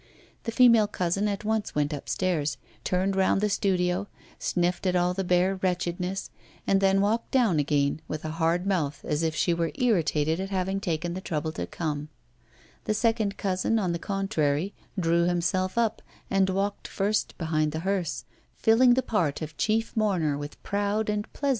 The female cousin at once went upstairs, turned round the studio, sniffed at all the bare wretchedness, and then walked down again, with a hard mouth, as if she were irritated at having taken the trouble to come. The second cousin, on the contrary, drew himself up and walked first behind the hearse, filling the part of chief mourner with proud and pleasant fitness. * Madame Sidonie, who figures in M. Zola's novel, 'La Curee.